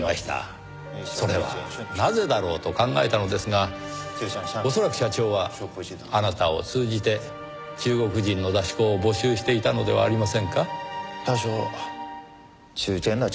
それはなぜだろう？と考えたのですが恐らく社長はあなたを通じて中国人の出し子を募集していたのではありませんか？